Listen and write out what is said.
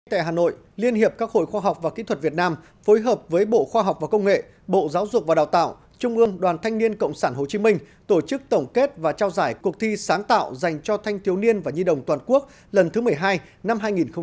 tại hà nội liên hiệp các hội khoa học và kỹ thuật việt nam phối hợp với bộ khoa học và công nghệ bộ giáo dục và đào tạo trung ương đoàn thanh niên cộng sản hồ chí minh tổ chức tổng kết và trao giải cuộc thi sáng tạo dành cho thanh thiếu niên và nhi đồng toàn quốc lần thứ một mươi hai năm hai nghìn một mươi chín